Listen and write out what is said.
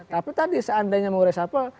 tapi tadi seandainya mau resapel